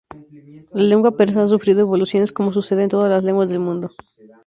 La lengua persa ha sufrido evoluciones como sucede en todas las lenguas del mundo.